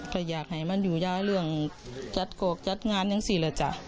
ก็อยากให้มันอยู่ย้ายเรื่องจัดโกกจัดงานจังสิล่ะจ๊ะ